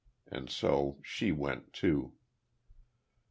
And so she went, too.